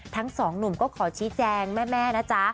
ทั้งสองหนุ่มก็ขอชี้แจงแม่นะจ๊ะ